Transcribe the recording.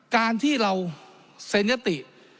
การที่เราเซ็นยติ